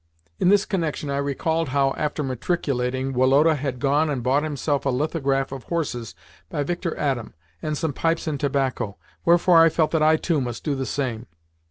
In this connection I recalled how, after matriculating, Woloda had gone and bought himself a lithograph of horses by Victor Adam and some pipes and tobacco: wherefore I felt that I too must do the same.